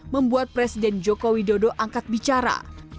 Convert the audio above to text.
membuat presiden jokowi dodo angkat bicara